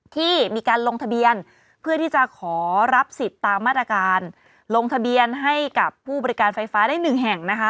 ที่มีการลงทะเบียนเพื่อที่จะขอรับสิทธิ์ตามมาตรการลงทะเบียนให้กับผู้บริการไฟฟ้าได้หนึ่งแห่งนะคะ